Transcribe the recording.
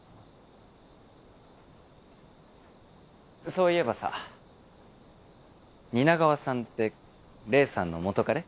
そういえばさ蜷川さんって黎さんの元カレ？